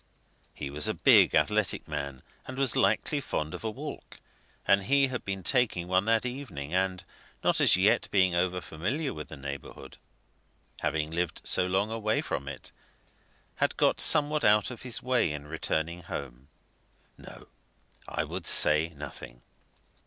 He was a big, athletic man and was likely fond of a walk, and had been taking one that evening, and, not as yet being over familiar with the neighbourhood having lived so long away from it, had got somewhat out of his way in returning home. No, I would say nothing.